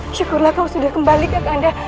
syukurlah kau sudah kembali kak kanda